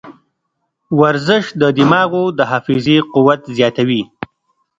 ورزش د دماغو د حافظې قوت زیاتوي.